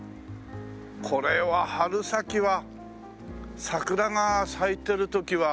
これは春先は桜が咲いてる時は壮観だろうね。